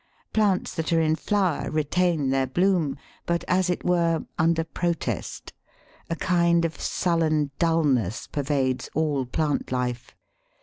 Plants that are in flower retain their bloom, but, as it were, under protest. A kind of sullen dulness pervades all plant life.